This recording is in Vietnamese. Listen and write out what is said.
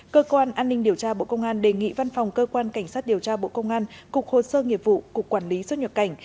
cơ quan an ninh điều tra bộ công an đề nghị văn phòng cơ quan cảnh sát điều tra bộ công an cục hồ sơ nghiệp vụ cục quản lý xuất nhập cảnh